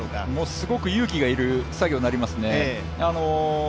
すごく勇気が要る作業になりますね。